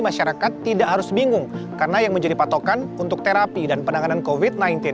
masyarakat tidak harus bingung karena yang menjadi patokan untuk terapi dan penanganan covid sembilan belas